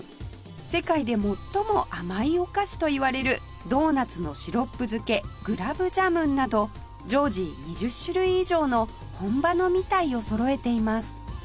世界で最も甘いお菓子といわれるドーナツのシロップ漬けグラブジャムンなど常時２０種類以上の本場のミタイをそろえています